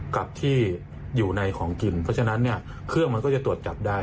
กับที่อยู่ในของกินเพราะฉะนั้นเนี่ยเครื่องมันก็จะตรวจจับได้